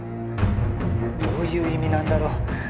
どういう意味なんだろ？